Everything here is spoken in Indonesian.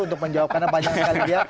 untuk menjawabkan banyak sekali dia